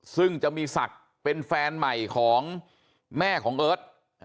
ซึ่งจะมีศักดิ์เป็นแฟนใหม่ของแม่ของเอิร์ท